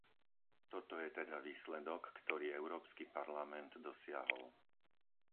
Toto je teda výsledok, ktorý Európsky parlament dosiahol.